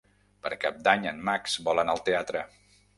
Per Cap d'Any en Max vol anar al teatre.